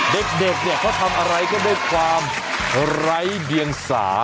เด็กเนี่ยเขาทำอะไรก็ด้วยความไร้เดียงสา